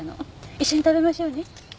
一緒に食べましょうね。